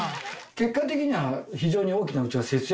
結果的には非常に大きなうちは節約ですよ。